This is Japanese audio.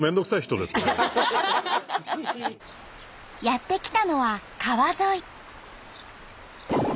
やって来たのは川沿い。